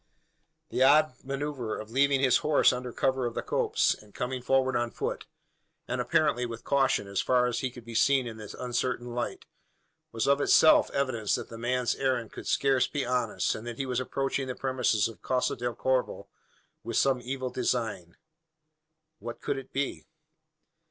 The odd manoeuvre of leaving his horse under cover of the copse, and coming forward on foot, and apparently with caution, as far as could be seen in the uncertain light, was of itself evidence that the man's errand could scarce be honest and that he was approaching the premises of Casa del Corvo with some evil design. What could it be?